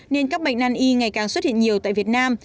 nên các bệnh nan y ngày càng xuất hiện nhiều tại việt nam